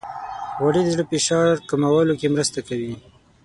غوړې د زړه د فشار کمولو کې مرسته کوي.